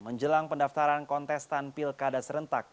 menjelang pendaftaran kontestan pilkada serentak